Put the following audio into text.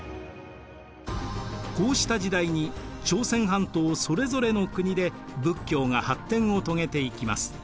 こうした時代に朝鮮半島それぞれの国で仏教が発展を遂げていきます。